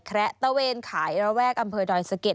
ระตะเวนขายระแวกอำเภอดอยสะเก็ด